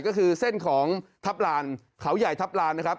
ก็คือเส้นของทัพลานเขาใหญ่ทัพลานนะครับ